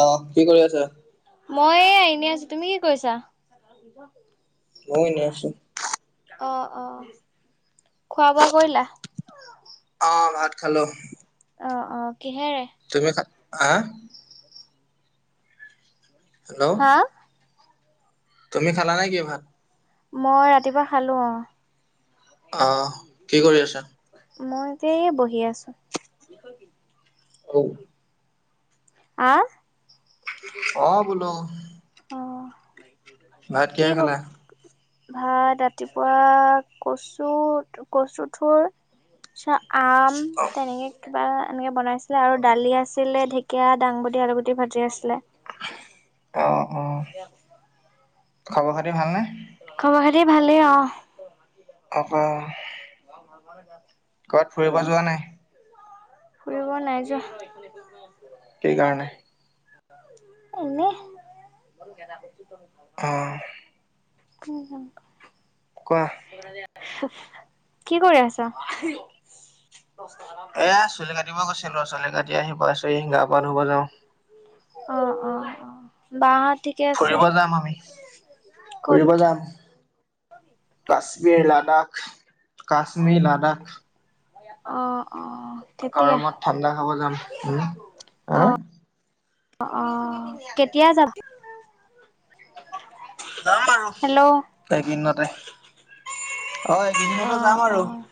আহ কি কৰি আছা মই এনে আছো তুমি কি কৰিছা। ময় এনেই আছো অ', অ খোৱা বোৱা কৰিলা আহ ভাত খালো। অঁ অঁ কিহেৰে তুমি খা হা হেল্ল' হা? তুমি খালা নাই কি ভাত মই ৰাতিপুৱা খালো অ অ কি কৰি আছা। মই এতিয় বহি আছো। অ আহ অ বোলো অ', ভাত কি কিহে খালা ভাত ৰাতিপুৱা কচু কচু থুৰ চা আম তেনেকে। কিবা এনেকে বনাইছিলে আৰু দালি আছিলে। ঢেকীয়া, দাংবদী, আলুগুটি ভাজি আছিলে। [inaudible] অ অ [unintelligible] খবৰ খাতি ভাল নে? খবৰ খাতি ভালেই অ। [unintelligible] [inaudible] ক'বাত ফুৰিব যোৱা নাই? ফুৰিব নাই যোৱা। কি কাৰণে? এনেই। অ [unintelligible] কোৱা? কি কৰি আছা? এয়া চুলি কাটিব গৈছিলো চুলি কাটি আহি পাইছোহি গা পা ধুব যাওঁ। অ অ অ বা হত ফুৰিব যাম আমি ক'ত? ফুৰিব যাম, কা ক্মীৰ লাডাখ কাশ্মীৰ লাডাখ। অঁ। গৰমত ঠাণ্ডা খাব যাম। উম, হা? অ', অ', কেতিয়া যাবি। যাম আৰু হেল্ল', এইকেইদিনতে। অ, এইকেইদিনতে অ', যাম আৰু। অ',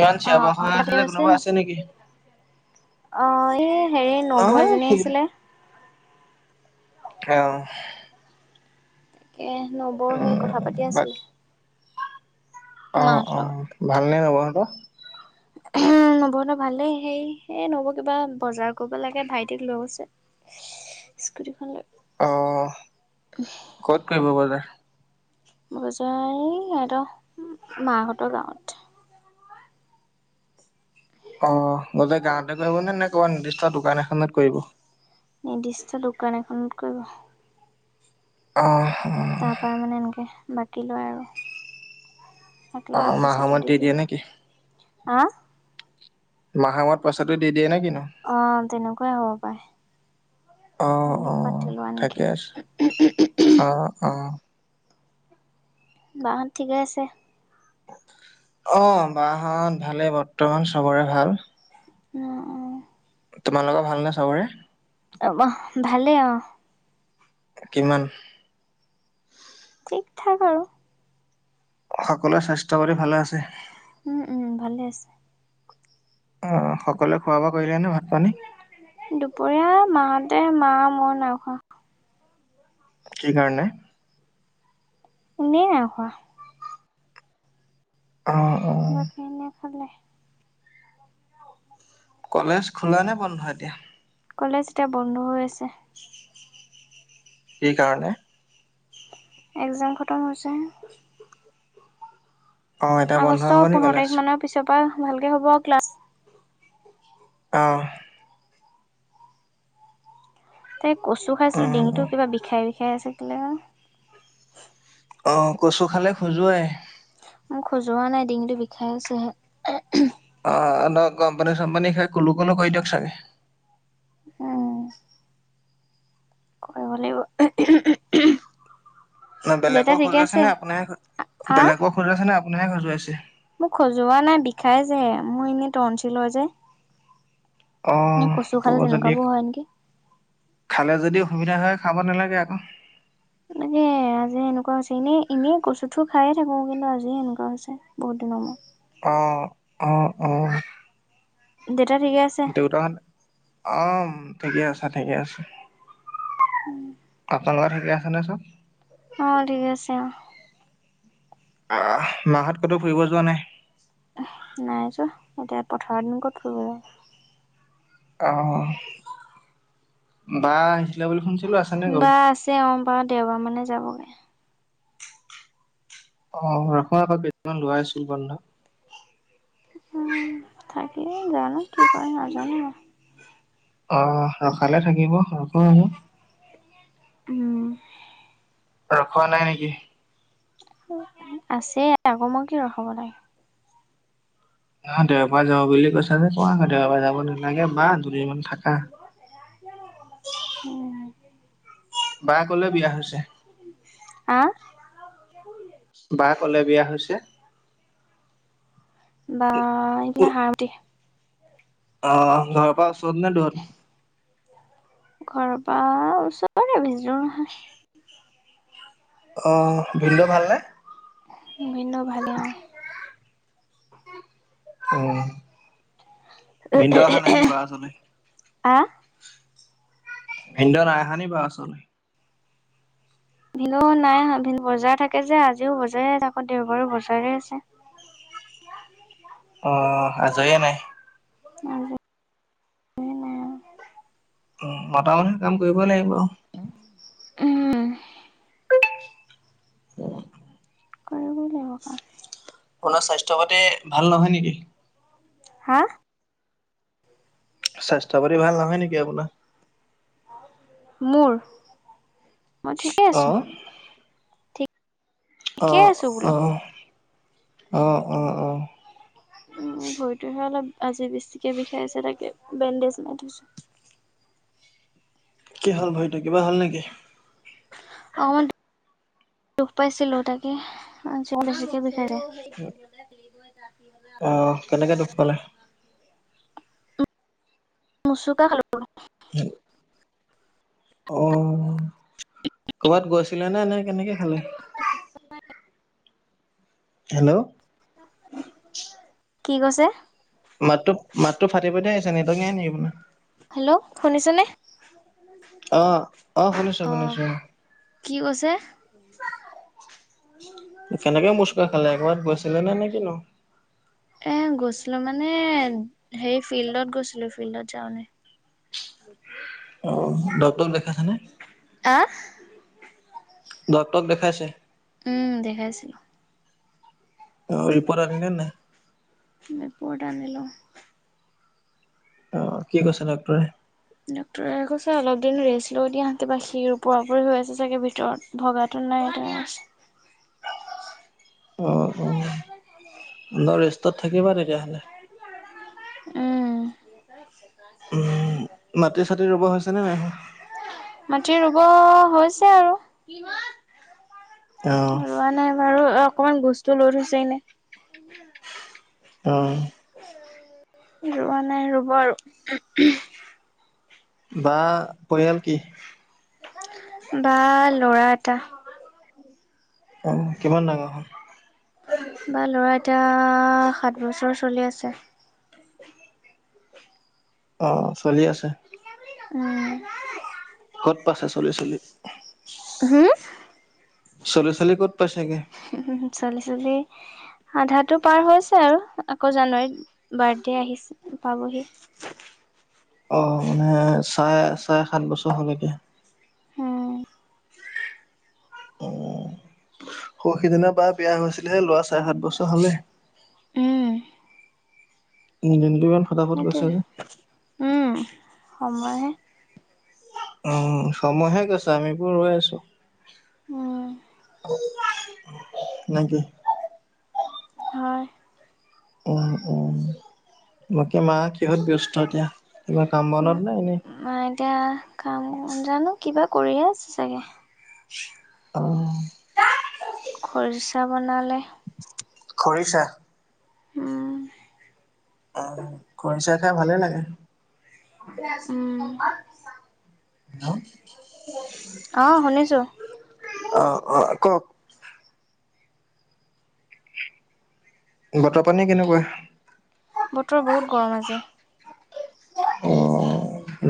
ইমান অ', চিঞৰ-বাখৰ অ', হৈ তাতে আছে যে গৈছে কোনোবা নি? আছে নেকি? অ, এই হেৰি নবৌ নহয় এজনী আহিছিলে। অহ। এহ নবৌ সে কথা পাতি আছিলে। মাহঁতৰ অ-অ ভাল নে নবৌহঁতৰ? [unintelligible] উম নবৌহতৰ ভালেই। হেই এ নবৌ কিবা বজাৰ কৰিব লাগে ভাইটিক লৈ গৈছে। স্কুটিখন লৈ। অ, কত কৰিব বজাৰ? বজাৰ এ সিহঁতৰ মাহঁতৰ গাৱঁত। অহ বজাৰ গাৱঁতে কৰিব নে? নে ক'ৰবাত নিৰ্দিষ্ট দোকান এখনত কৰিব? নিৰ্দিষ্ট দোকান এখনত কৰিব। অহ। তাৰ পৰা মানে এনেকে বাকী লয় আৰু। অ একেলগতে মাহৰ পইচাটো মূৰত দি দিয়ে। নেকি হা? মাহৰ মোৰত পইচাটো দি দিয়ে নে কি? অ, তেনেকুৱাই হ'ব পাৰে। অ তাহাঁত অ পাতি লোৱা ঠিকে আছে নেকি? অ অ বাহঁত ঠিকে আছে? অ, বাহঁত ভালেই, বৰ্তমান চবৰে ভাল। উম অ। তোমালোকৰ ভাল নে চবৰে? আমা ভালেই অহ। কিমান? ঠিক ঠাক আৰু। সকলোৱৰে স্বাস্থ্য কৰি ভালে আছে উম উম ভালে আছে অ সকলোৱে খোৱা বোৱা কৰিলে নে ভাত পানী দুপৰীয়া মাহতে মা মই নাখোৱা কি কাৰণে? এনেই [unintelligible] অ', অ'। বাকেনে খালে। কলেজ খোলা নে বন্ধ এতিয়া? কলেজ এতিয়া বন্ধ হৈ আছে। কি কাৰণে? একজাম খটম হৈছেহে। অ', এতিয়া বন্ধ আগষ্টৰ হ'ব নি পোন্ধৰ কলেজ? তাৰিখ মানৰ পিছৰ পৰা ভালকে হ'ব আৰু ক্লাছ। অহ। তাই কচু খাইছিলো ডিঙিটো অ', কিবা বিষাই বিষাই আছে কেলে বা। অ, কচু খালে খজুৱায়। খজোৱা নাই, ডিঙটো বিষাই আছেহে। অ ন গমপানী চমপানী খাই কুলো কুলো কৈ দিয়ক চাগে। অ। [inaudible] ন দেউতা বেলেগক ঠিকে খজুৱাইছে আছে নে আপুনি বেলেগক খোজুৱাইছে নে আপুনিহে খজুৱাইছে? মোক খজোৱা নাই বিষাইছে হে। মোৰ এনেই টনচিল হয় যে। অ এ কচু খালে তোৰ যদি তেনেকুৱাবোৰ হয় নেকি খালে যদি অসুবিধা হয়। খাব নালাগে আকৌ। মানে আজ যে এনেকুৱা হৈছে এনেই এনেই কচুঠো খাইে থাকো কিন্তু আজিয়ে এনেকুৱা হৈছে বহুত দিনৰ মই অ অ অ [inaudible] আছে দেউতাহতে অম ঠিকে আছো ঠিকে আছে আপোনালোকৰ থাকে আছেনে চব অ ঠিক আছে অ আহ মাহত কতো ফুৰিব যোৱা নাই নাই চোৱা এতিয়া পথাৰৰ দিন ক'ত ফব আহ বাই বা আছে অম পাৰ দেওবাৰ মানে যাবগৈ আহ ৰাখো আকৌ কেইটান লোৱাই আছো বন্ধা উম থাকি জানো কি কৰে নাজানো? আহ ৰখালে থাকিব ৰখো আৰু উম ৰখোৱা নাই নেকি? আছে আকৌ মই কি ৰখাব লাগে অ দেওবাৰাৰে যাওঁ বুলি কৈছা যে কোৱা আকৌ দেওৰ পৰা যাব নালাগে বা দুদিনমান থাকা উম। বায় কলে বিয়া হৈছে? আহ বা কলে বিয়া হৈছে বা এতিয়া শান্তি আহ ঘৰৰ পৰা ওচৰত নে দূৰত ঘৰ পৰা ওচৰে বিজোৰ নহয় অ ভিনদেউ ভালনে? ভিনডেই ভালে? উ ভিনদেউ নাই নি বা উছলে আ ভিনদেউ নাই অহা নি বা উচলে ভিনদেউ নাই অহা বজাৰ থাকে যে আজিও বজাৰে থাকো দেওবাৰো বজাৰে আছে [inaudible] অ আজৰি নাই উ হো উম উ মতা মানুহে কাম কৰিবই লাগিব আৰু উম কৰিব লাগিব কাম চবতে ভাল নহয় নেকি হা স্বাস্থ্য প্ৰতি ভাল নহয় নেকি আপোনাৰ মোৰ মই ঠিকেই আছো ঠিকে আহ আছো বোলো আহ আহ অ অ উ ভৰিতোহে অলপ আজি বেছিকে বিষাই আছে তাকে বেণ্ডেজ লগাথৈছো [inaudible] কি হল ভৰিতো কিবা হ'ল নেকি অকমান দুখ পাইছিলো তাকে আজিকে বিষাই থাকে আহ কেনেকে দুখ পালে মচুকা খালো হেই অ কৰ'বাত গৈছিলে নে নে কেনেকে খালে হেল্ল' কি কৈছে মাতটো মাতটো ফাটি ফাটি আহিছে নেটক নাই নেকি আপোনাৰ হেল্ল' শুনিছনে আহ আহ শুনিছো শুনিছো কি কৈছে কেনেকে মুচকা খালে কবাত গৈছিলে নে নে কিনো এ গৈছিলো মানে হেই ফিল্ডত গৈছিলো ফিল্ডত যাওঁনে দেখিলো অ ডক্টৰ দেখাই আছে নে হা ডক্টৰ দেখাই ছে উম দেখাইছো অ ৰিপট আনিনে নাই ৰিপট আনিলোঁ অ কি কৈছে ডক্টৰে ডক্টৰে কৈছে অলপ দিন ৰেষ্ট লৈ দিয়া কিবা শিৰ ওপওপ হৈ আছে চাগে ভিতৰত ভগা টো [unintelligible] অঁ অঁ ৰেষ্টত থাকিবা তেতিয়াহ'লে উম মাটি চাটি ৰুব হৈছে নে নাই হোৱা? মাটি ৰুব হৈছে হে আৰু অ', ৰোৱা নাই বাৰু অ অকমান বস্তু লৈ থৈছে নে অ ৰোৱা নাই ৰুব আৰু বা পৰিয়াল কি বা ল'ৰা এটা অ কিমান ডাঙৰ হল বা ল'ৰা এটা সাত বছৰ চলি আছে। অ চলি আছে, উম কত পাইছে চলি চলি? হুম, চলি চলি ক'ত পাইছেগে? চলি চলি আধাটো পাৰ হৈছে আৰু আকৌ জানুৱাৰীত বাৰ্থডে আহিছে পাবহি। [inaudible] অ মানে চাৰে চাৰে সাত বছৰ হ'লকে। হুম। উম, সৰু সিদিনা বা বিয়া হৈছিলেহে লৰা চাৰে সাত বছৰ হলে। উম। উম উম। সেইটোয়ে, উম সময়হে উম সময়হে গৈছে আমিবোৰ ৰৈ আছো। উম নে কি? হয়। উম উম, বাকী মা কিহত ব্যস্ত এতিয়া? কিবা কাম বনত নে এনেই? উম এতিয়া কাম জানো কিবা কৰিয়ে আছে চাগে। অ। খৰিচা বনালে? খৰিছা? উম। আহ খৰিচাই খাই ভালেই লাগে। উম হেল্ল! অহ শুনিছো। অ অ কওক? বতৰ পানী কেনেকুৱা? বতৰ বহুত গৰম আছে।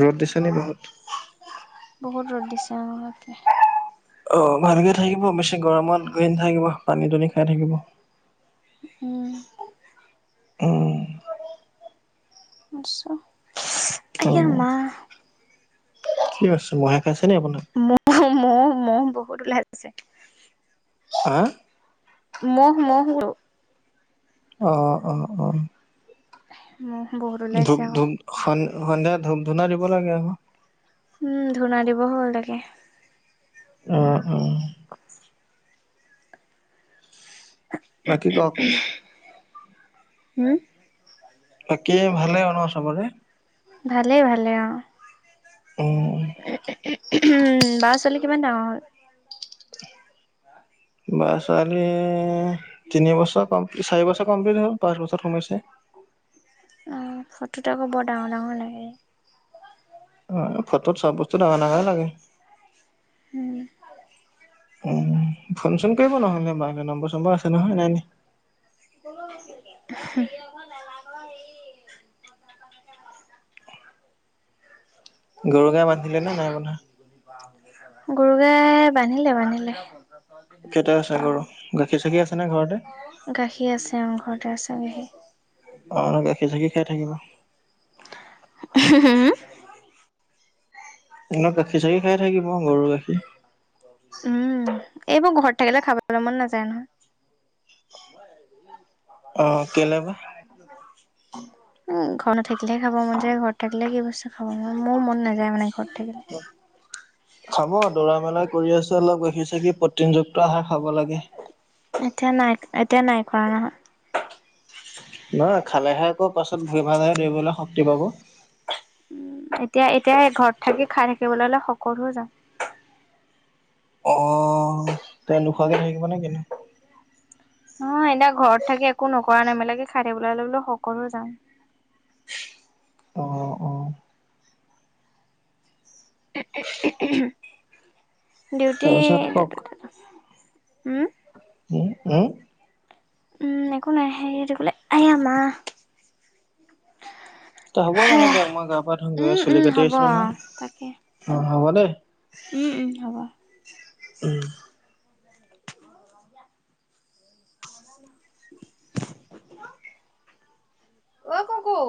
ৰ'দ দিছে নি বহুত? বহুত ৰ'দ দিছে আৰু তে। অ ভালকে থাকিব, বেছি গৰমত গৈ নাথাকিব পানী দুনি খাই থাকিব। উম। উম। আচ্ছা, ইচ উম আয়ামা। কি কৰিছ মহে খাইছে নি আপোনাক? মহ মহ মহ বহুত ওলাই আছে। হা! ম'হ ম'হ গ অহ অ অ। মহ বহুত ওলাইছে ধূপ -, আকৌ। স -সন্ধিয়া ধূপ- ধূনা দিব লাগে আক। উম, ধুনা দিব হল তাকে। আহ উম। বাকী কওক? হুম। বাকী ভালে আৰু চবৰে? ভালেই ভালে অ। উম উম বা ছোৱালী কিমান ডাঙৰ হ'ল? বা ছোৱালী তিনিবছৰ কমপ্লি চাৰিবছৰ কমপ্লিট হ'ল পাঁচ বছৰত সোমাইছে। অ ফটোটো আকৌ বৰ ডাঙৰ -ডাঙৰ লাগে। অ ফটোত চব বস্তু ডাঙৰ -ডাঙৰে লাগে। হুম। উম ফোন-চোন কৰিব নহ'লে নাম্বৰ-চাম্বৰ আছে নহয় নাই নে। [unintelligible] গৰু গাই বান্ধিলে নে নাই বন্ধা? খৰু গাই বান্ধিলে বান্ধিলে। কেইটা আছে গৰু গাখীৰ চাখি আছে নে ঘৰতে? গাখীৰ আছে অ ঘৰতে আছে গাখীৰ। অ গাখীৰ চাখি খাই থাকিব। হমঁ। দিনত গাখীৰ-চাখী খাই থাকিব গৰু গাখীৰ। উমঁ। এইবোৰ ঘৰত থাকিলে খাবলৈ মন নাযায় নহয়। অ', কেলে বা? উমঁ ঘৰত নাথাকিলে- খাব মন যায়, ঘৰত থাকিলে যি বস্তু খাব মন মোৰ মন নাযায় মানে ঘৰত। থাকিলে। খাব দৰা মেলা- কৰি আছে অলপ দেখিছে কি প্ৰটিনযুক্ত আহাৰ খাব লাগে। এতিয়া নাই এতিয়া নাই কৰা নহয়। নাই খালেহে আকৌ পাছত ভৰি ভালদৰে দৌৰিবলৈ শক্তি পাব এতিয়া এতিয়া ঘৰত থাকি খাই থাকিবলৈ হ'লে হকত হৈ যাম। অ', তই নোখোৱাকে থাকিবা নে কিনু? নহয় এতিয়া ঘৰত থাকি একো নকৰা-নেমেলেকে খাই থাকিলে হকতেই হৈ যাম। অঁ অঁ। ডিউটি- তাৰপিছত কওক? উমঁ। উমঁ উমঁ। উমঁ একো নাইহে কলে আয়া মা। এতিয়া হ'ব জানো দিয়া মই গা পৰা ধূগৈ উম চুলি উম কাটি হ'ব আহিছিলো নহয় অঁ হ'ব দেই। উমঁ উমঁ হ'ব। উম'। অই কু কু।